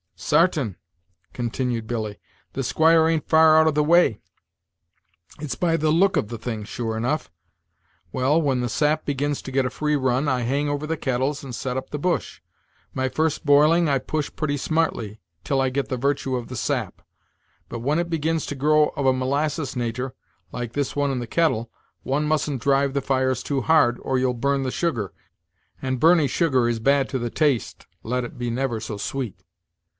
"Sartain," continued Billy; "the squire ain't far out of the way. It's by the look of the thing, sure enough. Well, when the sap begins to get a free run, I hang over the kettles, and set up the bush. My first boiling I push pretty smartly, till I get the virtue of the sap; but when it begins to grow of a molasses nater, like this in the kettle, one mustn't drive the fires too hard, or you'll burn the sugar; and burny sugar is bad to the taste, let it be never so sweet.